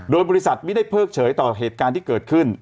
โดยบริษัทไม่ได้เพิกเฉยต่อเหตุการณ์ที่เกิดขึ้น